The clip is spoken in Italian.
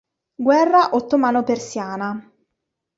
Guerra ottomano-persiana